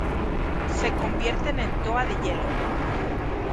Se convierten en Toa de hielo.